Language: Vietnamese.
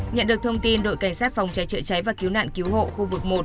nhận được thông tin đội cảnh sát phòng cháy chữa cháy và cứu nạn cứu hộ khu vực một